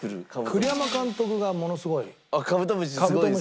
栗山監督がものすごい。